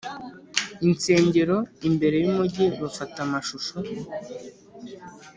insengero imbere yumugi bafata amashusho